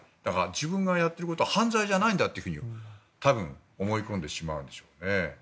自分がやってることは犯罪じゃないんだと多分、思い込んでしまうんでしょうね。